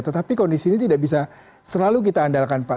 tetapi kondisi ini tidak bisa selalu kita andalkan pak